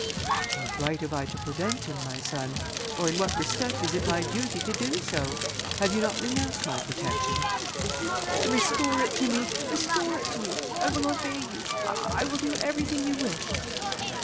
"What right have I to prevent him, my son? or in what respect is it my duty to do so? Have you not renounced my protection?" "Oh, restore it to me! restore it to me! I will obey you, I will do everything you wish."